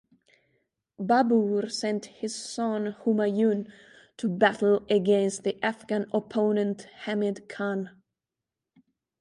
Babur sent his son Humayun to battle against the Afghan opponent Hamid Khan.